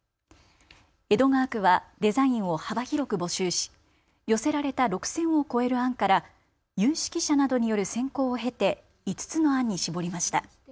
江戸川区はデザインを幅広く募集し、寄せられた６０００を超える案から有識者などによる選考を経て５つの案に絞りました。